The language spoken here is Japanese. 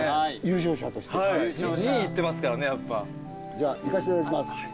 じゃあいかしていただきます。